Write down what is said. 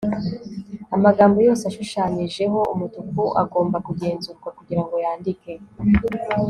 amagambo yose ashushanyijeho umutuku agomba kugenzurwa kugirango yandike